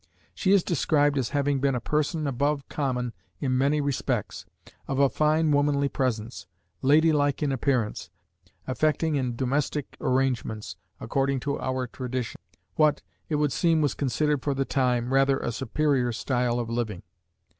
She is described as having been a person above common in many respects, of a fine womanly presence, ladylike in appearance, affecting in domestic arrangements according to our traditions what, it would seem was considered for the time, rather a superior style of living.